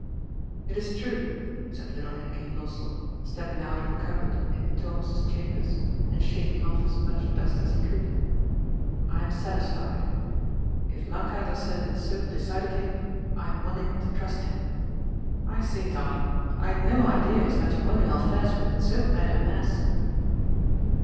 " It is true," said little Henky Lossell, stepping out of the cupboard in Thomas's chambers and shaking off as much dust as he could, " I am satisfied. If Lankater says it so decidedly, I am willing to trust him. I say. Tommy, I had no idea his matrimonial affairs were in so bad a mess."